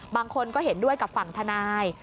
บางคนก็เห็นด้วยกับฝั่งทนาย